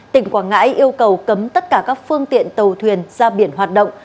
tỉnh quảng ngãi yêu cầu cấm tất cả các phương tiện tàu thuyền ra biển hoạt động